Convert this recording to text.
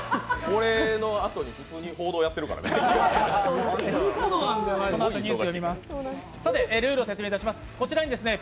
これのあとに普通に報道やってるからね。